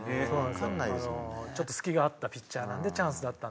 ちょっと隙があったピッチャーなんでチャンスだったんでね。